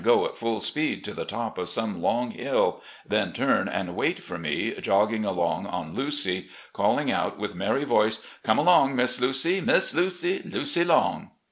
266 RECOLLECTIONS OF GENERAL LEE go at full speed to the top of some long hill, then turn and wait for me jogging along on Lucy, calling out yvith merry voice, ' Come along. Miss Lucy, Miss Lucy, Lucy Long